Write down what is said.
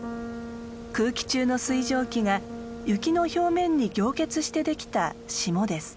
空気中の水蒸気が雪の表面に凝結してできた霜です。